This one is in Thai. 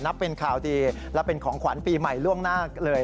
เป็นข่าวดีและเป็นของขวัญปีใหม่ล่วงหน้าเลย